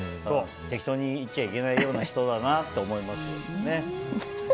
適当にいっちゃいけないような人だなと思います。